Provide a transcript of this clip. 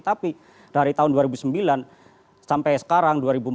tapi dari tahun dua ribu sembilan sampai sekarang dua ribu empat belas